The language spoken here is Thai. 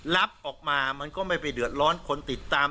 รับออกมามันก็ไม่ไปเดือดร้อนคนติดตาม